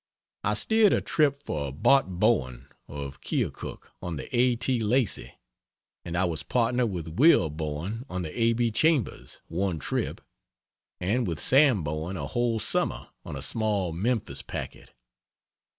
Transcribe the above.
I steered a trip for Bart Bowen, of Keokuk, on the A. T. Lacy, and I was partner with Will Bowen on the A. B. Chambers (one trip), and with Sam Bowen a whole summer on a small Memphis packet.